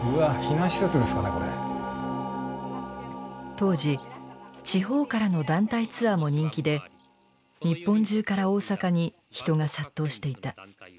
当時地方からの団体ツアーも人気で日本中から大阪に人が殺到していた。